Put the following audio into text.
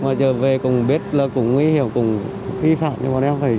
mà giờ về cũng biết là cũng nguy hiểm cũng vi phạm thì bọn em phải liều ra